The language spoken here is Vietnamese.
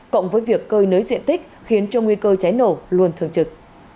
cộng với việc cơi nới diện tích khiến cho nguy cơ cháy nổ luôn thường trực